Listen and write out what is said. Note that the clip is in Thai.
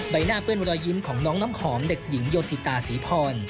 ใบหน้าเปื้อนรอยยิ้มของน้องน้ำหอมเด็กหญิงโยสิตาศรีพร